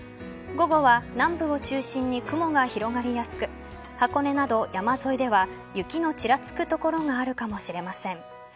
午後は南部を中心に雲が広がりやすく箱根など山沿いでは雪のちらつく所があるかもしれません。